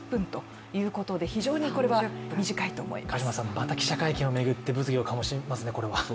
また記者会見を巡って物議を醸しますね、これは。